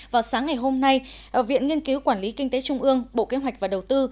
vào sáng ngày hôm nay viện nghiên cứu quản lý kinh tế trung ương bộ kế hoạch và đầu tư